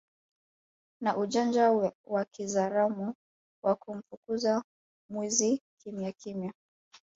na ujanja wa kizaramo wa kumfukuza mwizi kimyakimya